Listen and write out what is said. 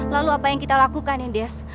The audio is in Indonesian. lalu apa yang kita lakukan ya des